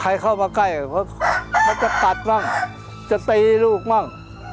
ใครเข้ามาใกล้มันจะตัดมั่งจะตีลูกบ้าง